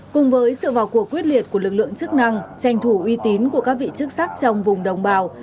cùng với sự vào cuộc quyết liệt của lực lượng chức năng tranh thủ uy tín của các vị chức sắc trong vùng đồng bào